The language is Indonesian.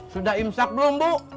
sudah imsak belum bu